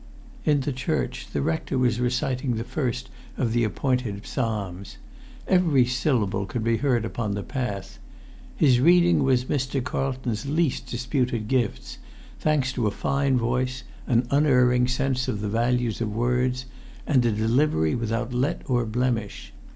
In the church the rector was reciting the first of the appointed psalms. Every syllable could be heard upon the path. His reading was Mr. Carlton's least disputed gift, thanks to a fine voice, an unerring sense of the values of words, and a delivery without let or blemish.